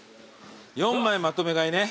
４枚まとめ買いね。